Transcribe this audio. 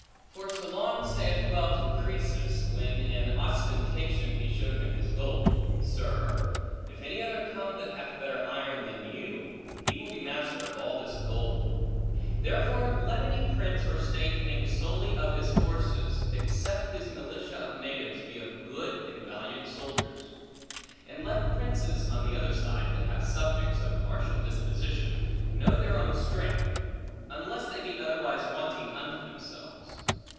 For Solon said well to Croesus (when in ostentation he showed him his gold), Sir, if any other come, that hath better iron, than you, he will be master of all this gold. Therefore let any prince or state think solely of his forces, except his militia of natives be of good and valiant soldiers. And let princes, on the other side, that have subjects of martial disposition, know their own strength; unless they be otherwise wanting unto themselves.